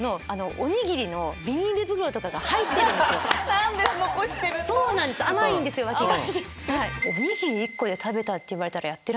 何で残してるの⁉そうなんです甘いんですよ脇が。